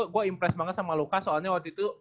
gue impressed banget sama luka soalnya waktu itu